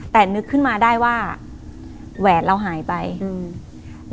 แต่นึกขึ้นมาได้ว่าแหวนเราหายไปอืม